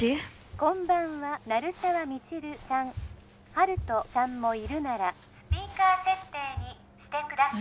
☎こんばんは鳴沢未知留さん☎温人さんもいるならスピーカー設定にしてください